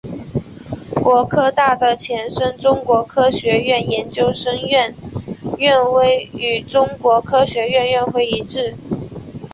国科大的前身中国科学院研究生院院徽与中国科学院院徽一致。